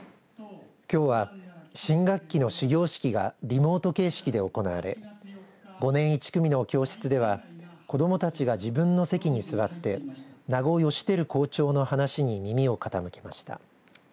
きょうは新学期の始業式がリモート形式で行われ５年１組の教室では子どもたちが自分の席に座って名古善晃校長の話に耳を傾けました。